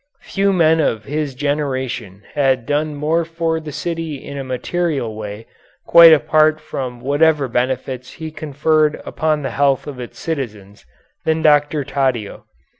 Few men of his generation had done more for the city in a material way quite apart from whatever benefits he conferred upon the health of its citizens than Dr. Taddeo.